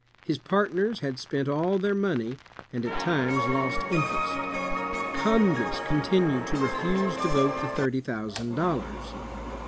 His partners had spent all their money, and at times lost interest. Congress continued to refuse to vote the thirty thousand dollars.